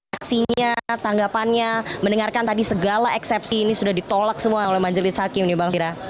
aksinya tanggapannya mendengarkan tadi segala eksepsi ini sudah ditolak semua oleh majelis hakim nih bang kira